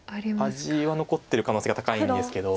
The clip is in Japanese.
味は残ってる可能性が高いんですけど。